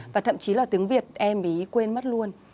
và thậm chí là tiếng việt em ý quên mất luôn